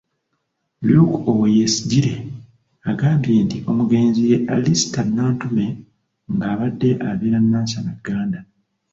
Luke Oweyesigyire agambye nti omugenzi ye Alisat Nantume ng'abadde abeera Nansana Gganda.